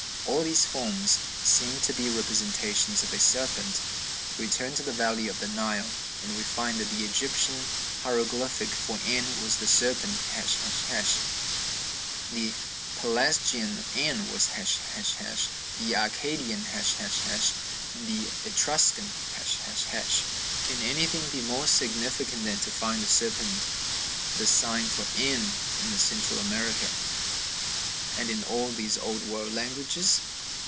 All these forms seem to be representations of a serpent; we turn to the valley of the Nile, and we find that the Egyptian hieroglyphic for n was the serpent, ###; the Pelasgian n was ###; the Arcadian, ###; the Etruscan, ###. Can anything be more significant than to find the serpent the sign for n in Central America, and in all these Old World languages?